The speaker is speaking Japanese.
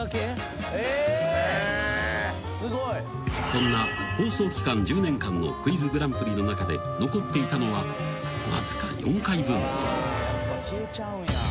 ［そんな放送期間１０年間の『クイズグランプリ』の中で残っていたのはわずか４回分のみ］